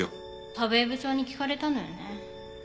田部井部長に聞かれたのよね。